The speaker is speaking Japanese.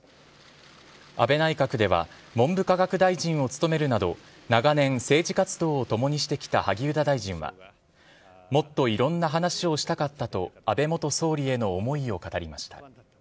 安倍内閣では、文部科学大臣を務めるなど、長年、政治活動を共にしてきた萩生田大臣は、もっといろんな話をしたかったと、安倍元総理への思いを語りました。